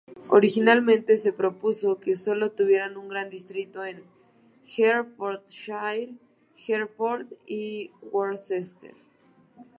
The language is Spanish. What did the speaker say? Originalmente se propuso que solo tuvieran un gran distrito en Herefordshire, Hereford y Worcester.